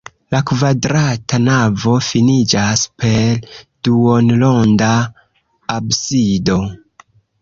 La kvadrata navo finiĝas per duonronda absido.